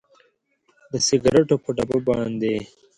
د سګریټو پر ډبه باندې